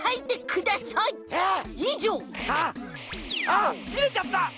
あっきれちゃった！